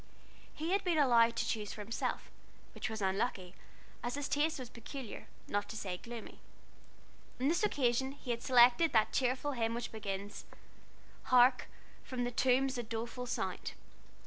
He had been allowed to choose for himself, which was unlucky, as his taste was peculiar, not to say gloomy. On this occasion he had selected that cheerful hymn which begins "Hark, from the tombs a doleful sound."